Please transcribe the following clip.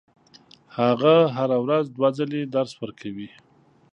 هغه هره ورځ دوه ځلې درس ورکوي.